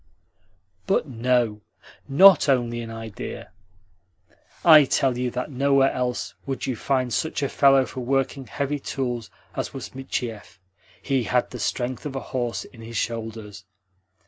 "But no NOT only in idea. I tell you that nowhere else would you find such a fellow for working heavy tools as was Michiev. He had the strength of a horse in his shoulders."